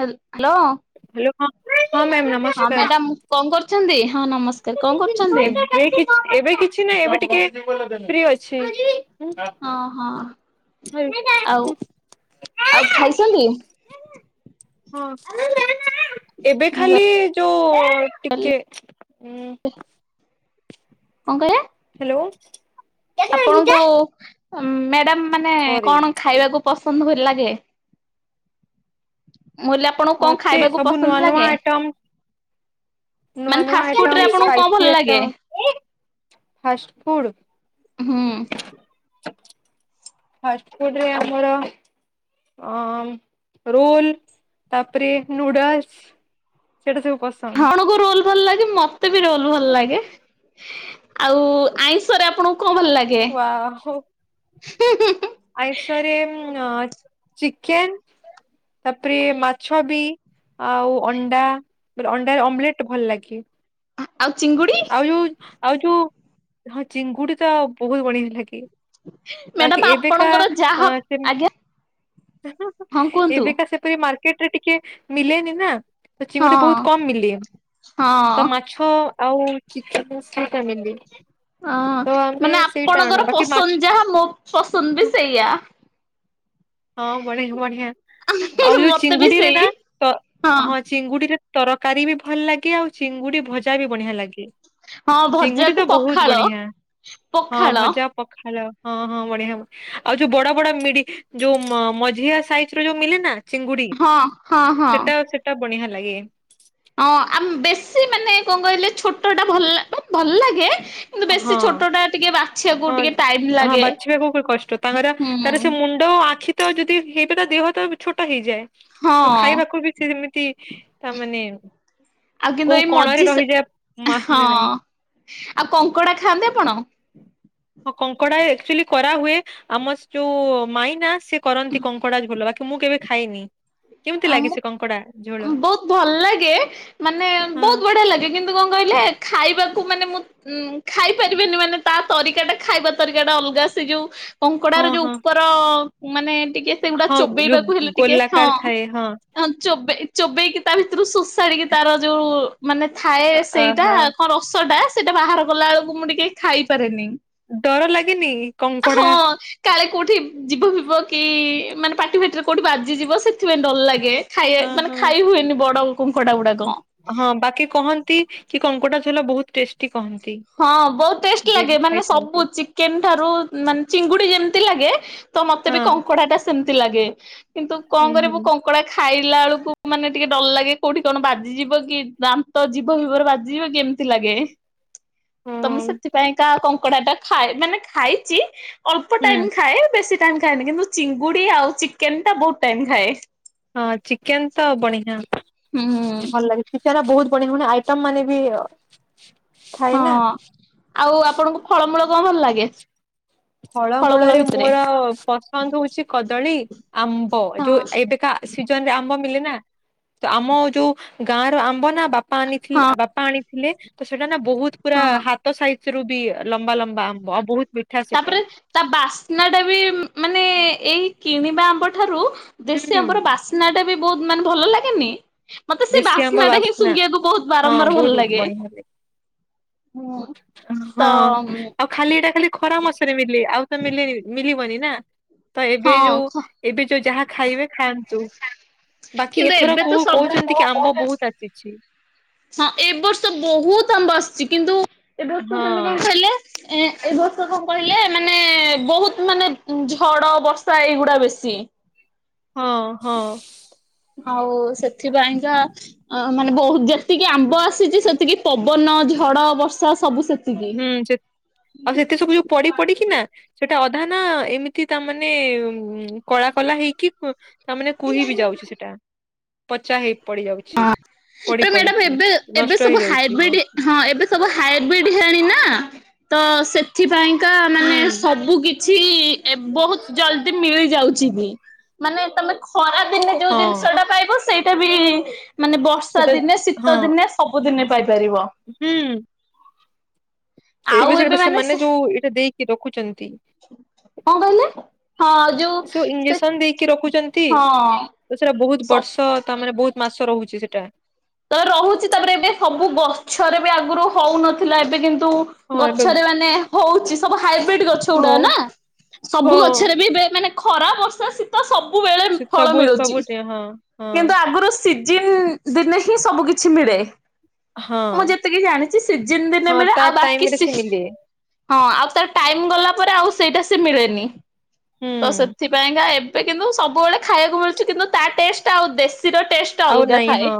ହା- hello. Hello ହଁ- ହଁ ମ୍ୟାମ୍ ନମ୍ ହଁ ମ୍ୟାଡାମ୍ କଣ କରୁଚନ୍ତି -ହଁ ନମସ୍କାର୍- କଣ କରୁଚନ୍ତି? ଏବେ କିଛି ଏବେ କିଛି ନାହିଁ ଏବେ ଟିକେ ଫ୍ରି ଅଛି। [inaudible] ହଁ ହଁ ଆଉ ଆଉ ଖାଇଛନ୍ତି? ହଁ ଏବେ ମୁଁ ଖାଲି ଯଉ ଟିକେ ଉଁ- କଣ କହିଲେ ହ୍ୟାଲୋ। ଆପଣଙ୍କୁ ଉଁ- ମ୍ୟାଡାମ୍ ମାନେ ସରି କଣ ଖାଇବାକୁ ପସନ୍ଦ୍ ଭଲ ଲାଗେ? ମୁଁ ଲାପ୍ ମତେ ସବୁ ନୂଆ ନୂଆ ଆଇଟମ୍ ନୂଆ ମାନେ ନୂଆ ଫାଷ୍ଟଫୁଡ ରେ ଆଇଟମ୍ ଆପଣଙ୍କୁ କଣ ଭଲ ସ୍ପାଇସି ଲାଗେ? ଆଇଟମ୍, ଫାଷ୍ଟ୍ ଫୁଡ୍ ହୁଁ। ଫାଷ୍ଟଫୁଡ୍ ରେ ଆମର ଅ- ରୁଲ୍ ତାପରେ ନୁଡଲ୍ସ୍ ସେଟା ସବୁ ପଶ୍ ଆପଣଙ୍କୁ ରୋଲ୍ ଭଲ ଲାଗେ ମତେ ବି ରୋଲ୍ ଭଲ ଲାଗେ। ଆଉ ଆଇଁଷ ରେ ଆପଣଙ୍କୁ କଣ ଭଲ ଲାଗେ? ୱାଓ ଆଇଁଷରେ ଉଁ-ଆଁ ଚିକେନ ତାପରେ ମାଛ ବି। ଆଉ ଅଣ୍ଡା କହିଲି ଅଣ୍ଡା ଅମଲେଟ ଭଲ ଲାଗେ। ଆ-ଆଉ ଚିଙ୍ଗୁଡି। ଆଉ ଯୋଉ ଆଉ ଯୋଉ ହଁ ଚିଙ୍ଗୁଡି ତ ବହୁତ ବଢିଆ ଲାଗେ। ବାକି ମ୍ୟାଡାମ ଏବେ କା ଆପଣଙ୍କର ଯାହା ଆଁ ସେମ ଆଜ୍ଞା ହଁ କୁହନ୍ତୁ ଏବେକା ସେପରି ମାର୍କେଟରେ ଟିକେ ମିଲେନି ନା। ତ ହଁ ଚିଙ୍ଗୁଡି ବହୁତ କମ ମିଲେ ତ ହଁ। ମାଛ ଆଉ ଚିକେନ ସେଇଟା ମିଲେ ହଁ ତ ଆମେ ମାନେ ସେଇଟା ଆପଣଙ୍କର ଆଣୁ ବାକି ମା ପସନ୍ଦ ଯାହା ମୋ ପସନ୍ଦ ବି ସେଇଆ। ହଁ ବଢିଆ ବଢିଆ ଆଉ ଯୋଉ ମତେ ବି ଚିଙ୍ଗୁଡି ରେ ସେଇ ନା ତ ହଁ। ଚିଙ୍ଗୁଡିରେ ଟରକାରୀ ବି ଭଲ ଲାଗେ ଆଉ ଚିଙ୍ଗୁଡି ଭଜା ବି ବଢିଆ ଲାଗେ। ହଁ ଚିଙ୍ଗୁଡି ଭଜାକୁ ତ ବହୁତ ପଖାଳ ବଢିଆ ହଁ ପଖାଳ ଭଜା ପଖାଳ ହଁ ହଁ ବଢିଆ ଆଉ ଯୋଉ ବଡ ବଡ ମିଡି ଯୋଉ ମ-ମଝିଆ ସାଇଜ ର ଯୋଉ ମିଲେ ନା ଚିଙ୍ଗୁଡି ହଁ ହଁ ହଁ। ସେଟା ସେ ସେଟା ବଢିଆ ଲାଗେ। ହଁ ଆମ୍ ବେଶୀ ମାନେ କଣ କହିଲେ ଛୋଟଟା ଭଲ ଭଲ ଲାଗେ। କିନ୍ତୁ ହଁ ବେଶୀ ଛୋଟ ଟା ଟିକେ ବାଛିବାକୁ ହଁ ଟିକେ ଟାଇମ ହଁ ଲାଗେ ହୁଁ। ଣ୍ଡ ତ ଆଖି ତ ଯଦି ହେଇଗୋରା ଦେହ ତ ଛୋଟ ହେଇଯାଏ। ତ ହଁ ଖାଇବାକୁ ବି ସେ ଯେମିତି ତା ମାନେ ଆଉ କିନ୍ତୁ କୋଉ ଏଇ କୋଣରେ ମଝି ସ ରହିଯା ହଁ। ମନେ ନାହିଁ। ଆଉ କଙ୍କଡା ଖାଆନ୍ତି ଆପଣ? ହଁ କଙ୍କଡା ଆକ୍ଚୁଆଲି କରାହୁଏ। ଆମ ଯୋଉ ମାଇଁ ନା, ସେ କରନ୍ତି କଙ୍କଡା ଝୋଲ ବାକି ମୁଁ କେବେ ଖାଇନି। କେମିତି ଲାଗି ସେ କଙ୍କଡା? ଝୋଳ? ହଁ ବହୁତ ଭଲ ଲାଗେ ମାନେ, ହଁ ବହୁତ ବଢିଆ ଲାଗେ କିନ୍ କିନ୍ତୁ କଣ କହିଲେ ଖାଇବାକୁ ମାନେ ମୁଁ ଉଁ ଖାଇ ପାରିବେନି ମାନେ ତା ତରିକା ଟା ଖାଇବା ତରିକା ଟା ଅଲଗା ସେ ଯୋଉ ହଁ କଙ୍କଡାର ଯୋଉ ହଁ ଉପର ମାନେ ଟିକେ ସେଗୁଡା ହଁ ଚୋବେଇବାକୁ ଯୋଉ ହେଲେ ଟିକେ ହଁ। ଗୋଲାକାର ଥାଏ ହଁ। ଚୋବେ ଚୋବେଇକି ତା ଭିତରୁ ସୋଷାଡ଼ିକି ତାର ଯୋଉ ମାନେ ଥାଏ ସେଇଟା ଓହୋ କଣ ରସ ଟା ସେଇଟା ବାହାର ଗଲା ବେଳକୁ ମୁଁ ଟିକେ ଖାଇପାରେନି। ଡର ଲାଗେନି କଙ୍କଡା? ହଁ କାଳେ କଉଠି ଜିବ ଫିବ କି ମାନେ ପାଟି ଫାଟିରେ କଉଠି ବାଜିଯିବ ସେଥିପାଇଁ ଡର ଲାଗେ। ଖାଇବା ହଁ ମାନେ ହଁ। ଖାଇ ହୁଏନି ବଡ କଙ୍କଡା ଗୁଡ଼ାକ। ହଁ ବାକି କହନ୍ତି, କି କଙ୍କଡା ଝୋଳ ବହୁତ ଟେଷ୍ଟି କହନ୍। ହଁ ବହୁତ ଟେଷ୍ଟ ଲାଗେ ମାନେ ସବୁ ଚି କେମଠାରୁ ମାନେ ଚିଙ୍ଗୁଡି ଯେମିତି ଲାଗେ ତ ମତେ ହଁ ବି କଙ୍କଡା ଟା ସେମିତି ଲାଗେ। କିନ୍ତୁ ହୁଁ କଣ କରେ ମୁଁ ହୁଁ କଙ୍କ ଙ୍କଡା ଖାଇଲା ବେଳକୁ ମାନେ ଟିକେ ଡର ଲାଗେ କୋଉଠି କଣ ବାଜିଯିବ କି ଦାନ୍ତ ଜୀବ ଫିବରେ ବାଜିଯିବ କି ଏମ୍ ଥିଲାଗେ। ହଁ ତ ମୁଁ ସେଥିପାଇଁ କା କଙ୍କଡା ଟା ଖାଏ ମାନେ ଖାଇଛି ଅଳ୍ପ ହୁଁ। ଟାଇମ। ଖାଏ ବେଶୀ ଟାଇମ ଖାଏନି କିନ୍ତୁ ଚିଙ୍ଗୁଡି ଆଉ ଚିକେନ ଟା ବହୁତ ଟାଇମ ଖାଏ। ହଁ ଚିକେନ ତ ବଣିହା ହୁଁ ଭଲ ଲାଗେ ବିଚାରା ବହୁତ। ପୁୁଣି ପୁଣି ଆଇଟମ ମାନେ ବି ଅ ହଁ, ଆଉ ଆପଣଙ୍କୁ ଫଳମୂଳ କଣ ଭଲ ଲାଗେ? ଫଳମୂଳ ଫଳମୂଳରେ ଭିତରେ ମୋର ପସନ୍ଦ ହଉଛି କଦଳୀ, ଆମ୍ବ ଯୋଉ ହଁ ଏବେକା ସିଜନ ରେ ଆମ୍ବ ମିଲେ ନା ତ ଆମ ଯୋଉ ଗାଁ ର ଆମ୍ବ ନା ବାପ୍ ପା ଆଣିଥିଲେ ହଁ ବାପା ଆଣିଥିଲେ ତ ସେଟା ନା ବହୁତ ପୁରା ହଁ। ହା ତ ସାଇଜ ରୁ ବି ଲମ୍ବା ଲମ୍ବା ଆମ୍ବ ଆଉ ବହୁତ ମିଠା। ସେଟା। ତାପରେ ତା ବାସ୍ନା ଟା ବି ମାନେ ଏଇ କିଣିବା ଆମ୍ବ ଠାରୁ ଦେଶୀ ହୁଁ ଆମ୍ବର ବାସ୍ନା ଟା ବି ବହୁତ ମାନେ ଭଲ ଲାଗେନି? ମତେ ସେ ଦେଶୀ ଆମ୍ବ ବାସ୍ନା ଟା ହିଁ ଶୁଙ୍ଗିବାକୁ ବହୁତ ହଁ ବାରମ୍ବାର ଭଲ ବହୁତ ଲାଗେ। ବଢିଆ ହୁଁ ହଁ ତ ଆଉ ଖାଲି ଏଟା ଖାଲି ଖରା ମାସରେ ମିଲେ ଆଉ ତ ମିଲେ ଆଉ ମିଲିବନି ନା ତ ଏବେ ହଁ ଯୋଉ ଖ ଏବେ ଯୋଉ ଯାହା ଖାଇବେ ଖାଆନ୍ତୁ ବାକି କିନ୍ତୁ ଏଥର ଏବେ ତ କୋଉ କୋଉ ସବୁ ଚନ୍ତି କି, ଆମ୍ବ ବହୁତ ଆସିଛି। ହଁ, ଏବ ବର୍ଷ ବହୁତ ଆମ୍ବ ଆସିଛି କିନ୍ତୁ ଏ ବର୍ଷ ମାନେ ହଁ। କଣ କହିଲେ? ଏଁ। ଏ ବର୍ଷ କଣ କହିଲେ, ମାନେ ବହୁତ ମାନେ ଝଡ ବର୍ଷା ଏଇଗୁଡା ବେଶୀ। ହଁ ହଁ। ଆଉ ସେଥିପାଇଁକା ଅ ମାନେ ବହୁତ୍ ଯେତିକି ଆମ୍ବ ଆସିଛି ସେତିକି ପବନ ଝଡ ବର୍ଷା ସବୁ ସେତ୍ ହୁଁ ସେ ଆଉ ସେତେ ସବୁ ଯୋଉ ପଡିି ପଡିକିନା। ସେଟା ଅଧା ନା ଏମିତି ତାମାନେ କଳା କଲା ହେଇକି ତାମାନେ କୁହି ବି ଯାଉଛି ସେଟା। ପଚା ହେଇ ପଡି ହଁ ଯାଉଛି ପଡି ତ ମ୍ୟାଡାମ ପଡିକି ଏବେ ଏବେ ନଷ୍ଟ ସବୁ ହେଇଯାଉଛି ହାଇବ୍ରିଡ ବହୁ ହଁ ଏବେ ସବୁ ହାଇବ୍ରିଡ ହେଣି ନା ତ ସେଥିପାଇଁକା ହୁଁ ମାନେ ସବୁ କି ଛି ବହୁତ ଜଲଦି ମିଳି ଯାଉଛି ବି ମାନେ ତମେ ଖରା ଦିନେ ଯୋଉ ହଁ ଜିନିଷଟା ପାଇବ ସେଇଟା ବି ମାନେ ବର୍ଷା ସେଟା ଦିନେ ଶୀତ ହଁ ଦିନେ ସବୁଦିନେ ପାଇପାରିବ। ହୁଁ। ଏବେ ଆଉ ଯୋଉ ମାନେ ସେମାନେ ଯୋଉ ଏଇଟା ଦେଇକି ରଖୁଚନ୍ତି। କଣ କହିଲେ ହଁ ଯୋଉ ସେ ଇଞ୍ଜେକ୍ସନ ଦେଇକି ରଖୁଛନ୍ତି। ହଁ। ତ ସେଟା ବହୁତ ସ ବର୍ଷ ତା ମାନେ ବହୁତ ମାସ ରହୁଛି ସେଟା। ତ ରହୁଛି ତାପରେ ଏବେ ସବୁ ଗଛରେ ବି ଆଗରୁ ହଉନଥିଲା ଏବେ କିନ୍ତୁ ହଁ ଏବେ ଗଛରେ ମାନେ ହଉଛି ସବୁ ହାଇବ୍ରିଡ ଗଛ ହଁ ଗୁଡାନା ସବୁ ହଁ ଗଛରେ ବି ଏବେ ମାନେ ଖରା, ବର୍ଷା, ଶୀତ, ସବୁବେଳେ, ସେ ଫଳ, ସବୁ ମିଳୁଛି ସବୁ ହଁ ହଁ କିନ୍ତୁ ଆଗରୁ ସିଜିନ୍ ଦିନେ ହିଁ ସବୁ କିଛି ମିଳେ। ହଁ ମୁଁ ଯେତିକି ଜାଣିଛି ସିଜନ ଦିନେ ହଁ ମିଳେ ତା ଆଉ ବାକି ଟାଇମ ରେ ସି ସେ ମିଲେ ହଁ ଆଉ ତାର ଟାଇମ ଗଲା ପରେ ଆଉ ସେଇଟା ସେ ମିଳେନି ହୁଁ ତ ସେଥିପାଇଁକା ଏ କିନ୍ତୁ ସବୁବେଳେ ଖାଇବାକୁ ମିଳଛି କିନ୍ତୁ ତା ଟେଷ୍ଟ ଆଉ ଦେଶୀର ଟେଷ୍ଟ। ଆଉ ଅଲଗା ନାଇଁ ଥାଏ। ହଁ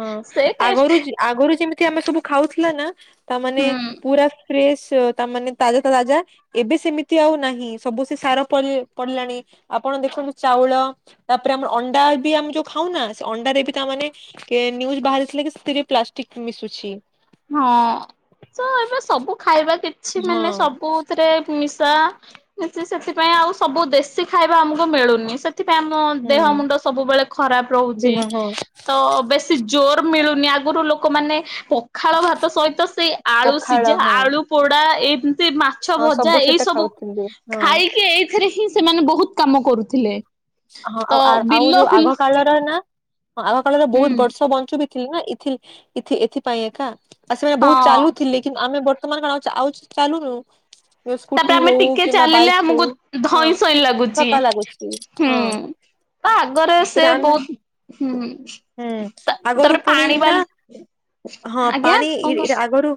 ହଁ ସେ ଟେଷ୍ଟ ଆଗରୁ ଯି ଆଗରୁ ଯେମିତି ଆମେ ସବୁ ଖାଉଥିଲା ନା ତାମାନେ ହୁଁ ପୁରା ଫେଶ ତାମାନେ ତାଜା ତା ତାଜା ଏବେ ସେମିତି ଆଉ ନାହିଁ ସବୁ ସେ ସାର ପଡିଲାଣି ଆପଣ ଦେଖନ୍ତୁ ଚାଉଳ। ତାପରେ ଆମର, ଅଣ୍ଡା, ବି ଆମେ ଯୋଉ ଖାଉନା। ଅଣ୍ଡାରେ ବି ତା ମାନେ କେ ନ୍ୟୁଜ ବାହାରିଥିଲା କି ସେଥିରେ ପ୍ଲାଷ୍ଟିକ ମିଶୁଛି। ହଁ ତ ଏବେ ସବୁ ଖାଇବା କିଛି ହଁ ମାନେ ସବୁ ସେଥିରେ ମିଶା ମିଶି ସେଥିପାଇଁ ଆଉ ସବୁ ଦେଶୀ ଖାଇବା ଆମକୁ ମିଳୁନି। ସେଥିପାଇଁ ଆମ ଦେହ ହୁଁ ମୁଣ୍ଡ ସବୁବେଳେ ଖରାପ ରହୁଛି ଦେହ ହଁ ତ ବେଶ ଜୋର ମିଳୁନି ଆଗରୁ ଲୋକମାନେ, ପଖାଳ, ଭାତ, ସହିତ ସେଇ, ଆଳୁ, ପଖାଳ ସିଝା, ହଁ ଆଳୁ, ପୋଡା ଏମିତି ମା ମାଛ, ହଁ ଭଜା, ଏଇ ସେଟା ସବୁ ଖାଉଥିଲେ ହଁ ଖାଇକି ଏଇଥିରେ ହିଁ ସେମାନେ ବହୁତ କାମ କରୁଥିଲେ। ହଁ ତ ଆଉ ଆଉ ବିଲ ଯୋଉ ଫିଲ ଆଗ କାଳର ନାଁ ଆଗ କାଳରେ ହୁଁ ବହୁତ ବର୍ଷ ବଞ୍ଚୁ ବି ନା ଏଥିପାଇଁ ଏକା ଆ ସେମାନେ ବହୁତ ହଁ ଚାଲୁଥିଲେ କି ଆମେ ବର୍ତ୍ତମାନ କଣ ଆଉ ଆଉ ଚାଲୁନୁ? ତାପରେ ସ୍କୁଟି ଆମେ ହଉ ଟିକେ କିମ୍ବା ଚାଲିଲେ ବାଇକ୍ ହଉ ଆମକୁ ହଁ ଧଇଁ ସଇଁ ଲାଗୁଛି। ଥକା ଲାଗୁଛି। ହଁ। ବା ଆଗରେ ସେ ସେଟା ଆମେ ବହୁତ ହୁଁ ହୁଁ ଆଗରୁ ତାପରେ ପୁଣି ପାଣି ନା ବାଲ ହଁ ଆଜ୍ଞା ପାଣି କଣ କ ଏଇଟା ଆଗରୁ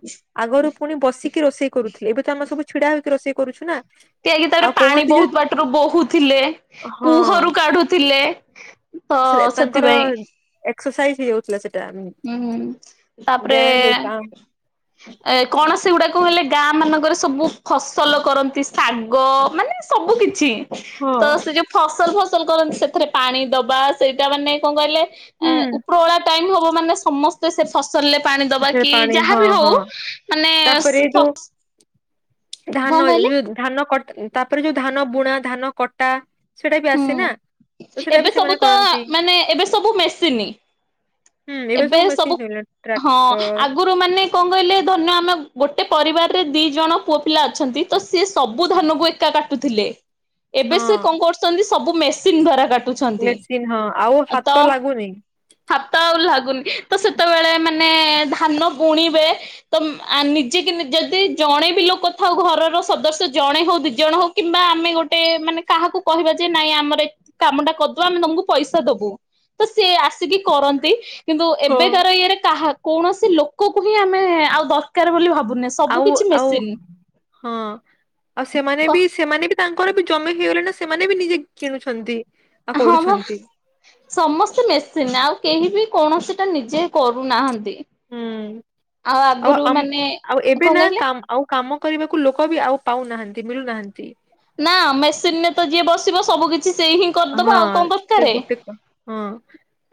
ଆଗରୁ ପୁଣି ବସିକି ରୋଷେଇ କରୁଥିଲେ। ଏବେ ତ ଆମେ ସବୁ ଛିଡା ହେଇକି ରୋଷେଇ କରୁଛୁ ନା। ତିଆଇକି ତାପରେ ଆଉ ପାଣି କୁହନ୍ତି ଯେ ବହୁତ୍ ବାଟରୁ ବୋହୁଥିଲେ ହଁ କୁହରୁ କାଢୁଥିଲେ। ତ ସେ ତାଙ୍କର ସେଥିପାଇଁ। ଏକ୍ସରସାଇଜ ହେଇଯାଉଥିଲା ସେଟା ଉଁ ହୁଁ ତାପରେ ବ୍ୟାୟାମ ହେଉଥିଲା ଏ କଣ ସେଗୁଡାକୁ ହେଲେ ଗାଁ ମାନଙ୍କରେ ସବୁ ଫସଲ କରନ୍ତି। ଶାଗ, ମାନେ ସବୁ କିଛି ହଁ ତ ସେ ଯୋଉ ଫସଲ ଫସଲ କରନ୍ତି ସେଥିରେ ପାଣି ଦବା ସେଇଟା ମାନେ କଣ କହିଲେ ଏ ହୁଁ। ଉପରଅଳା ଟାଇମ୍ ହବ ମାନେ ସମ ତ ସେ ଫସଲରେ ପାଣି ଦବା ସେ କି ପାଣି ହଁ ଯାହାବି ହଁ ହଉ ମାନେ [unintelligible] ଧାନଉ କହିଲେ ଧାନ କ ତାପରେ ଯୋଉ ଧାନ ବୁଣା ଧାନ କଟା ସେଇଟା ବି ହୁଁ ଆସେ ନା ତ ସେଟା ଏବେ ବି ସବୁ ସେମାନେ ତ କରନ୍ତି। ମାନେ ଏବେ ସବୁ ମେସିନି ହୁଁ ଏବେ ସବୁ ମେସିନ୍ ହେଲାଣି ଟ୍ରା ହଁ ଆଗୁରୁ ମାନେ କଣ କହିଲେ ଧରିନିଅ ଆମ ଗୋଟେ ପରିବାରରେ ଦି ଜଣ ପୁଅ ପିଲା ଅଛନ୍ତି ତ ସିଏ ସବୁ, ଧାନ, କୁ ଏକା କାଟୁଥିଲେ ଏବେ ହଁ ସେ କଣ କରୁଛନ୍ତି ସବୁ ମେସିନ୍ ଦ୍ଵାରା କା ମେସିନ୍ ହଁ ଆଉ ହାତ ଲାଗୁନି। ହାତ ଆଉ ଲାଗୁନି ତ ସେତେବେଳେ ମାନେ ଧାନ ବୁଣିବେ। ତ ମ ଆଁ ନିଜେ କି ନି ଯଦି ଜଣେ ବି ଲୋକ ଥାଉ ଘରର ସଦସ୍ୟ ଜଣେ ହଉ ଦି ଜଣ ହଉ କିମ୍ବା ଆମେ ଗୋଟେ ମାନେ କାହାକୁ କହିବା ଯେ ନାଇଁ ଆମର ଏ କାମଟା କରିଦବ ଆମେ ତମକୁ ପଇସା ଦବୁ। ତ ସେ ଆସିକି କରନ୍ତି। କିନ୍ତୁ ହଁ ଏବେ କାର ଇଏରେ କାହା କୌଣସି ଲୋକକୁ ହିଁ ଆମେ ଆଉ ଦରକାର୍ ବୋଲି ଭାବୁନେ ସ ଆଉ ଆଉ ହଁ। ଆଉ ସେମାନେ କ ବି ସେମାନେ ବି ତାଙ୍କର ବି ଜମି ହେଇଗଲେ ନା ସେମାନେ ବି ନିଜେ କିଣୁଛନ୍ତି। ଆଉ ହଁ ବା। କରୁଛନ୍ତି ସମସ୍ତେ ମେସିନ୍ ଆଉ କେହି ବି କୌଣସି ଟା ନିଜେ କରୁ ନାହାଁନ୍ତି ହୁଁ ଆଉ ଆଗୁରୁ ମାନେ ଆଉ ଏବେ କଣ ନା କହିଲେ? କାମ ଆଉ କାମ କରିବାକୁ ଲୋକ ବି ଆଉ ପାଉନାହାଁନ୍ତି ମିଳୁ ନାହାଁନ୍ତି। ନା ମେସିନ୍ ରେ ତ ଯିଏ ବସିବ ସବୁ କିଛି ସେଇ ହିଁ କରିଦବା ହଁ ଆଉ କଣ ସେ ଦରକାରେ। ଗୋଟେ କ ହଁ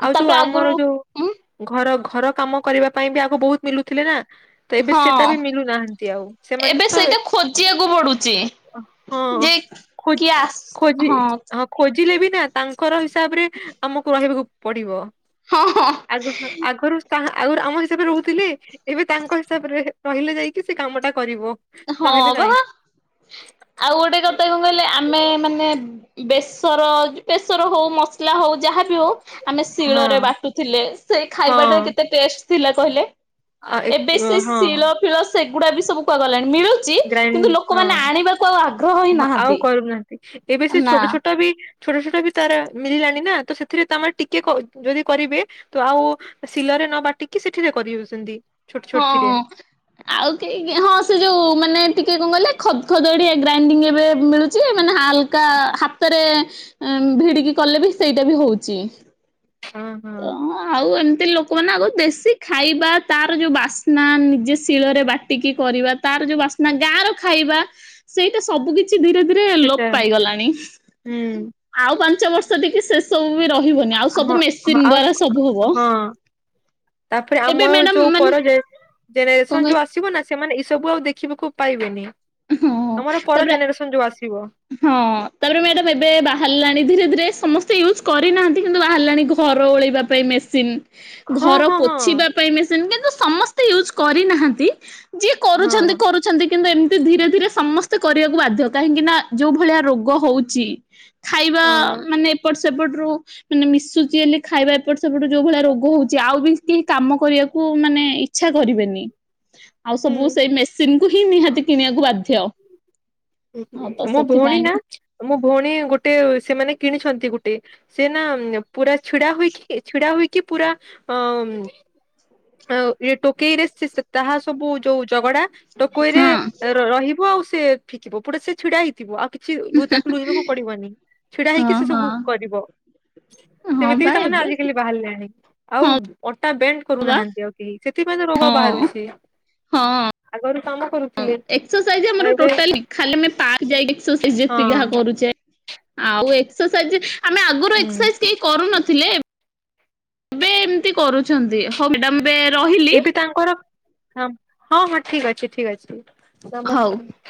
ଆଉ ତାପରେ ଯୋଉ ଆଗରୁ ଆମର ଯୋଉ ଉଁ ଘର ଘର କାମ କରିବା ପାଇଁ ବି ଆଗ ବହୁତ୍ ମିଲୁଥିଲେ ନା? ତ ଏବେ ସେଟା ହଁ ବି ମିଲୁନାହାନ୍ତି ଆଉ ସେମାନେ ଏବେ ତ ସେଇଟା ଖୋଜିବାକୁ ପଡୁଚି। ହଁ ଯେ ଖୋ କିଏ ଆ ସ ହଁ। ଖୋଜିଲେ ବି ନା ତାଙ୍କର ହିସାବ ରେ ଆମକୁ ରହିବାକୁ ପଡିବ। ହଁ ହଁ ଆଗକୁ ଆଗରୁ କାହା ଆଗୁରୁ ଆମ ହିସାବରେ ରହୁଥିଲେ ଏବେ ତାଙ୍କ ହିସାବରେ ହେ ରହିଲେ ଯାଇକି ସେ କାମ ଟା କରିବ। ହଁ ନହେଲେ ବାହା। [inaudible] ଆଉ ଗୋଟେ କଥା କଣ କହିଲେ ଆମେ ମାନେ ବେସର ଯ ବେସର ହଉ ମସଲା ହଉ ଯାହାବି ହଉ। ଆମେ ହଁ ଶିଳରେ ବାଟୁଥିଲେ ସେ ହଁ ଖାଇବାଟା କେତେ ଟେଷ୍ଟ ଥିଲା କହିଲେ? ଏବେ ସେ ହଁ ଶିଳ ଫିଳ ସେଗୁଡା ବି ସବୁ କୁଆ ଗଲାଣି ମିଳୁ ଚି କିନ୍ତୁ ଗ୍ରାଇଣ୍ଡ ହଁ। ଲୋକମାନେ ଆଣିବା ହଁ ଆଉ କରୁନାହାଁନ୍ତି ଏବେ ସେ ଛୋଟ ନା। ଛୋଟ ବି ଛୋଟ ଛୋଟ ବି ତାର ମଳିଲାଣି ନା ତ ସେଥିରେ ତମେ ଟିକେ କ ଯଦି କରିବେ ତ ଆଉ ଶିଲରେ ନ ବାଟିକି ସେଠିରେ କରିହଉଛନ୍ତି। ହଁ। ଆଉ କେଇ ଗ ହଁ ସେ ଯୋଉ ମାନେ ଟିକେ କଣ କଲେ ଖଦ ଖଦଡିଆ ଗ୍ରାଇଣ୍ଡିଙ୍ଗ ଏବେ ମିଳୁଛି ମାନେ ହାଲ କା ହାତରେ ଭିଡିକି କଲେ ବି ସେଇଟା ବି ହଉଚି। ହଁ ହଁ ତ ଆଉ ଏମିତି ଲୋ ଲୋକମାନେ ଆଗ ଦେଶୀ ଖାଇବା ତାର ଯୋଉ ବାସ୍ନା ନିଜେ ଶିଳରେ ବାଟିକି କରିବା ତାର ଯୋଉ ବାସ ନା ଗାଁ ର ଖାଇବା ସେଇଟା ସବୁ କିଛି ଧୀରେ ଧୀରେ ଲୋପ ସେଟା ପାଇଗଲାଣି। ହୁଁ ଆଉ ପାଞ୍ଚ ବର୍ଷ ଟିକେ ସେ ସବୁ ବି ରହିବନି ଆଉ ସବୁ ହଁ ମେ ହଁ ସିନ୍ ଆଉ ଦ୍ୱାରା ସବୁ ହବ। ହଁ ତାପରେ ଏବେ ଆମର ମ୍ୟାଡାମ ଯୋଉ ମାନେ ପର କଣ ଜେ-ଜେନେରେସନ ଯୋଉ କହିଲେ ଆ ଆସିବ ନା ସେମାନେ ଏଇ ସବୁ ଆଉ ଦେଖିବାକୁ ପାଇବେନି ହଁ ଆମର ପର ତାପରେ ଜେନେରେସନ ଯୋଉ ଆସିବ। ହଁ ତାପରେ ମ୍ୟାଡ଼ାମ ଏବେ ବାହାରିଲାଣି ଧୀରେ ଧୀରେ ସମସ୍ତେ ୟୁଜ୍ କରିନାହାନ୍ତି କିନ୍ତୁ ବାହାରିଲାଣି ଘର ଓଳେଇବା ମେସିନ୍ ହଁ ଘର ହଁ ହଁ ପୋଛିବା ପାଇଁ ମେସିନ୍ କିନ୍ତୁ ସମସ୍ତେ ୟୁଜୁ କରିନାହାନ୍ତି, ଯିଏ କରୁଛନ୍ତି ହଁ କରୁ କିନ୍ତୁ ଏମିତି ଧୀରେ ଧୀରେ ସମସ୍ତେ କରିବାକୁ ବାଧ୍ୟ କାହିଁକି ନା ଯୋଉ ଭଳିଆ ରୋଗ ହଉଚି। ଖାଇବା ହଁ ମାନେ ଏପଟ ସେପଟରୁ ମାନେ ମିଶୁଛି ହେଲେ ଖାଇବା ଏପଟ ସେପଟ ଯୋଉ ଭଳିଆ ରୋଗ ହଉଛି ଆଉ ବି କେହି କାମ କରିବାକୁ ମାନେ ଇ ଚ୍ଛା କରିବେନି ଆଉ ହୁଁ ସବୁ ସେଇ ମେସିନ୍ କୁ ହିଁ ନିହାତି କିଣିବାକୁ ବାଧ୍ୟ। ହଁ ତ [unintelligible] ମୋ ଭଉଣୀ ସେଥିପାଇଁ ନା ମୋ ଭଉଣୀ ଗୋଟେ ସେମାନେ କିଣିଛନ୍ତି ଗୋଟେ ସେନା ପୁରା ଛିଡା ହୋଇକି ଛିଡା ହୋଇକି ପୁରା ଅ ଆଉ ଇ ଟୋକେଇରେ ତାହା ସବୁ ଯୋଉ ଝଗଡା ଟୋକୋଇରେ ହଁ ରହିବ ଆଉ ସେ ଫିକିବ ପୁରା ସେ ଛିଡା ହେଇଥିବ ଆଉ କି [unintelligible] ତାକୁ ଲୁହିବାକୁ ପଡିବନି ଛିଡା ହେଇକି ହଁ ସେ ହଁ ସବୁ କରିବ। ହଁ ସେମିତି ବି ବା ସେମାନେ ଏବେ ଆଜିକାଲି ବାହାରିଲେଣି ଆଉ ହଁ ଅଟା ବେଣ୍ଡ ବା କରୁନାହାନ୍ ନ୍ତି ସେଥିପାଇଁ ତ ରୋଗ ହଁ ବାହାରୁଛି ଆଗରୁ କାମ କରୁ ଆଁ, ଏକ୍ସସାଇଜ୍ ଆମର ଟୋଟାଲ [inaudible] ଆମେ ପାର୍କ ଯାଇ ଏକ୍ସସାଇଜ୍ ହଁ ଯେତି ଯାହା କରୁଛେ। ଆଉ ଏକ୍ସରସାଇଜ ଆମେ ଆଗରୁ ହୁଁ ଏକ୍ସରସାଇଜ କି କରୁନଥିଲେ ଏବେ ଏମିତି କରୁଛନ୍ତି ହଉ ମାଡାମ ଏଵେ ରହିଲି। ଏ ବି ତାଙ୍କର ହଁ ହଁ ହଁ ଠିକ ଅଛି ଠିକ ଅଛି ହଉ। ନମସ୍କାର।